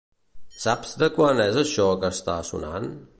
Saps de quan és això que està sonant?